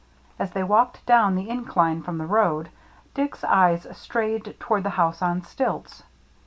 As they walked down the incline from the road, Dick's eyes strayed toward the house on stilts.